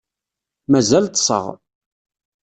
Mazal ṭṭseɣ.